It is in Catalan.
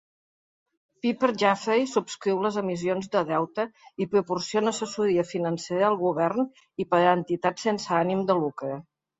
Piper Jaffray subscriu les emissions de deute i proporciona assessoria financera al govern i per a entitats sense ànim de lucre.